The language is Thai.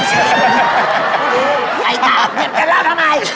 ใครตามเจ็บกันแล้วทำไม